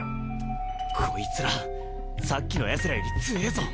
こいつらさっきのヤツらより強えぇぞ。